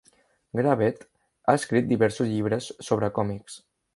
Gravett ha escrit diversos llibres sobre còmics.